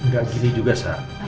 gak gini juga sar